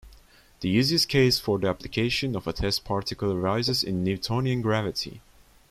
The easiest case for the application of a test particle arises in Newtonian gravity.